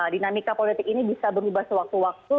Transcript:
dinamika politik ini bisa berubah sewaktu waktu